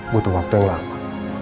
butuh waktu yang lama